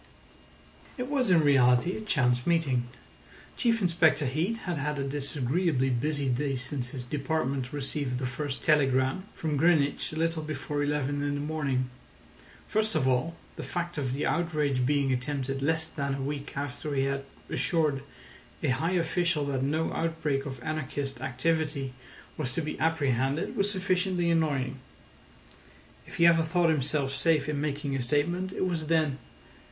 It was in reality a chance meeting. Chief Inspector Heat had had a disagreeably busy day since his department received the first telegram from Greenwich a little before eleven in the morning. First of all, the fact of the outrage being attempted less than a week after he had assured a high official that no outbreak of anarchist activity was to be apprehended was sufficiently annoying. If he ever thought himself safe in making a statement, it was then.